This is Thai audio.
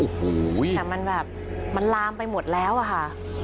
โอ้โหแต่มันแบบมันลามไปหมดแล้วอะค่ะ